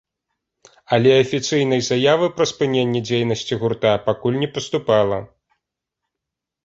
Але афіцыйнай заявы пра спыненне дзейнасці гурта пакуль не паступала.